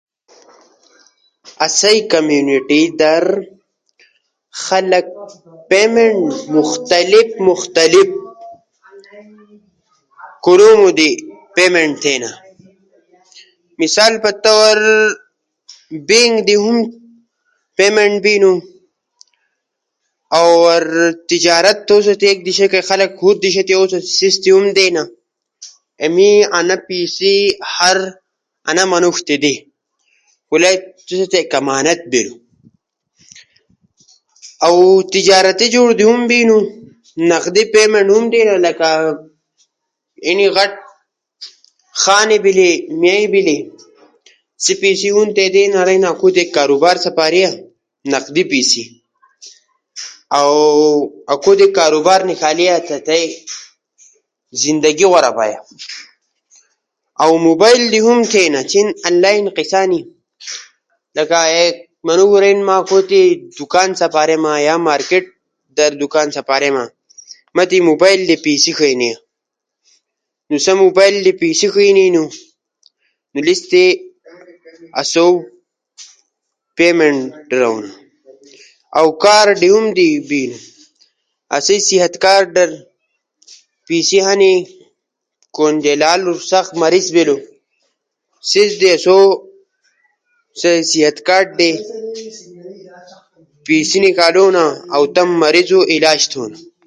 آسئی کمیونٹی در خلق مختلف مختلف کورومے در پیمنٹ تھینا۔ مثال طور در بینک در ہم پیمنٹ بینو، اؤ تجارت بیلو خلق ایک دیشا تی ݜود دیشا تی پیسے ہم دینا۔ می انا پیسے انا ہر منوݜ تے دے۔ خو لا تو تے امانت بیلو۔ اؤ تجارتی جوڑ تی ہم بینو۔ نقدی ٹیما ہم دینا لکہ اینی غٹ خانے بیلی مھیے بیلی، سا پیسے ہم اکو تی دینا کے کاروبار سپارے۔ مضبوطیسی۔ اؤ اکو تی کاروبار نیکالیا څٹئی زندگی غورا بئینا۔ اؤ موبائل در ہم تھینا چین انلائن قصہ ہنی لکہ ایک منوڙے رئینا ما اکو تی ایک دکان سپاریما یا مارکیٹ در دکان سپاریما ماتی موبائل در پیسے ڇئینی۔ نو سا موبائل در پیسے ڇئینو نو با لیس در آسو پیمنٹ تھونا۔ اؤ کارڈ ہم دونا۔ آسئی صحت کارڈ در پیسے ہنی، کونجا لالو سخت مریض بیلو، سیس در آسو سا صحت کارڈ در پیسے نیکالونا اؤ تمو مریضو علاج تھونا۔